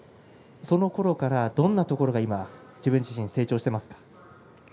そのころからどんなところが今、自分自身成長しましたか？